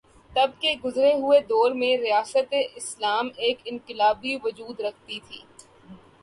تب کے گزرے ہوئے دور میں ریاست اسلام ایک انقلابی وجود رکھتی تھی۔